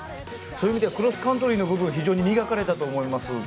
そういう意味ではクロスカントリーの部分非常に磨かれたと思います。